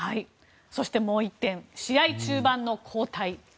そして、もう１点試合中盤の交代。